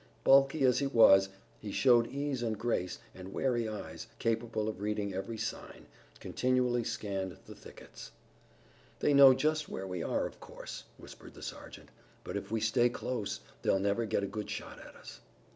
Bulky as he was he showed ease and grace, and wary eyes, capable of reading every sign, continually scanned the thickets. "They know just where we are, of course," whispered the sergeant, "but if we stay close they'll never get a good shot at us."